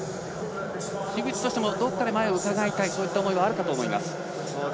樋口としてもどこかで前をうかがいたいそういった思いはあるかと思います。